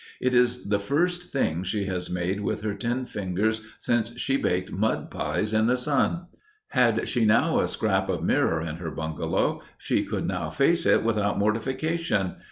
It is the first thing she has made with her ten fingers since she baked mud pies in the sun! Had she a scrap of mirror in her bungalow she could now face it without mortification.